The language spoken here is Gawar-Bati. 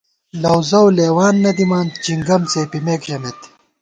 لَؤ زَؤ تہ لېوان نہ دِمان چِنگَم څېپِمېک ژَمېت